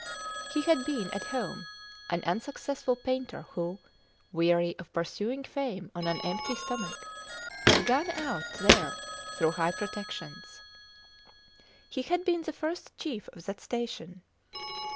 He had been, at home, an unsuccessful painter who, weary of pursuing fame on an empty stomach, had gone out there through high protections. He had been the first chief of that station.